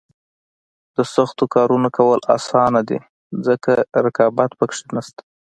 د سختو کارونو کول اسانه دي ځکه رقابت پکې نشته.